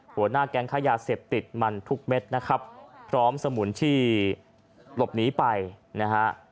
หัวหน้าแก๊งค่ายาเสพติดมันทุกเม็ดนะครับพร้อมสมุนที่หลบหนีไปนะฮะ